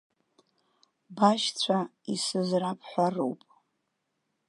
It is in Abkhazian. Башьцәа исызрабҳәароуп.